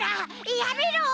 やめろ！